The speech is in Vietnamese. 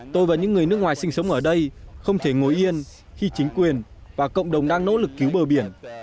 tôi và những người nước ngoài sinh sống ở đây không thể ngồi yên khi chính quyền và cộng đồng đang nỗ lực cứu bờ biển